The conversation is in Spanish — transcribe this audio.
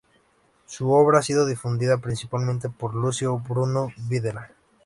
Su obra ha sido difundida principalmente por Lucio Bruno-Videla.